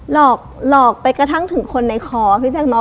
หลอกหลอกไปกระทั่งถึงคนในคอพี่แจ๊คเนาะ